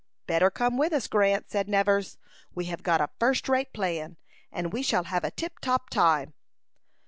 "Better come with us, Grant," said Nevers. "We have got a first rate plan, and we shall have a tip top time."